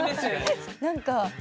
何か。